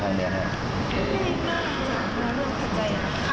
ไม่ได้นะเพราะเราขัดใจ